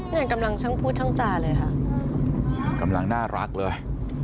เนี่ยกำลังช่างพูดช่างจาเลยค่ะกำลังน่ารักเลย